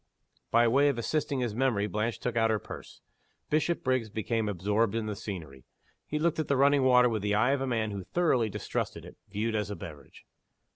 By way of assisting his memory Blanche took out her purse. Bishopriggs became absorbed in the scenery. He looked at the running water with the eye of a man who thoroughly distrusted it, viewed as a beverage.